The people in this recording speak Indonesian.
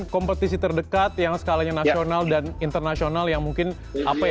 kompetisi terdekat yang skalanya nasional dan internasional yang mungkin apa ya